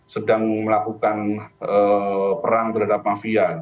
sedang melakukan perang terhadap mafia